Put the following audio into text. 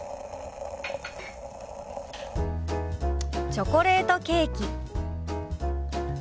「チョコレートケーキ」。